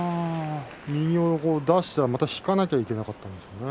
右を出して引かなくてはいけなかったですね。